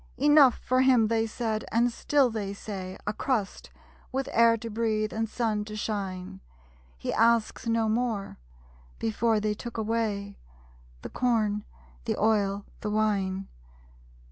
'Enough for him,' they said and still they say 'A crust, with air to breathe, and sun to shine; He asks no more!' Before they took away The corn, the oil, the wine.